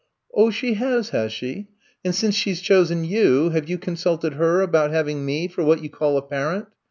'' "Oh, she has, has she — and since she 's chosen you, have you consulted her about having me for what you call a parent?